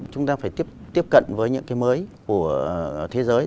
chúng ta phải tiếp cận với những cái mới của thế giới